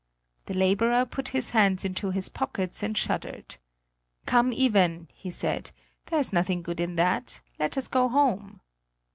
The laborer put his hands into his pockets and shuddered: "Come, Iven," he said; "there's nothing good in that; let us go home."